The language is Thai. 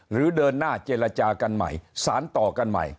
หรือเดินหน้าเจรจากันใหม่สารต่อกันใหม่